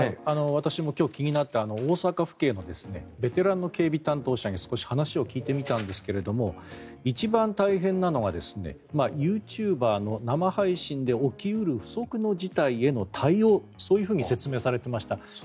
私も今日、気になって大阪府警のベテランの警備担当者に少し話を聞いてみたんですが一番大変なのがユーチューバーの生配信で起き得る、不測の事態への対応そういうふうに説明されていました。